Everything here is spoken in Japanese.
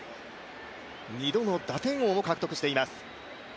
２度の打点王も獲得しています。